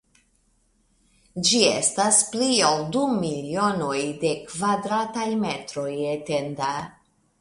Ĝi estas pli ol du milionoj de kvadrataj metroj etenda.